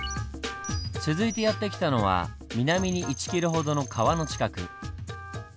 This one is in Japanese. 続いてやって来たのは南に１ｋｍほどの川の近く。